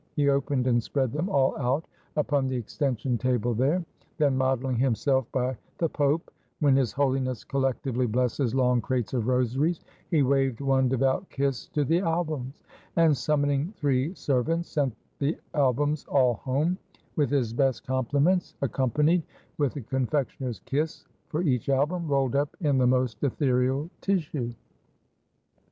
He opened and spread them all out upon the extension table there; then, modeling himself by the Pope, when His Holiness collectively blesses long crates of rosaries he waved one devout kiss to the albums; and summoning three servants sent the albums all home, with his best compliments, accompanied with a confectioner's kiss for each album, rolled up in the most ethereal tissue.